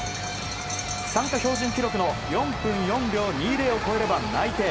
参加標準記録の４分４秒２０を超えれば内定。